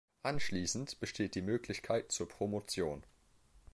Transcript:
Anschließend besteht die Möglichkeit zur Promotion.